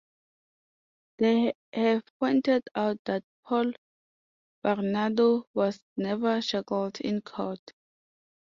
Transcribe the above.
They have pointed out that Paul Bernardo was never shackled in court.